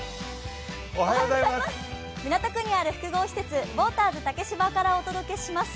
港区にある複合施設・ウォーターズ竹芝からお送りします。